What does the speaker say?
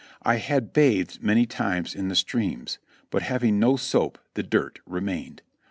I had bathed many times in the streams, but having no soap the dirt remained.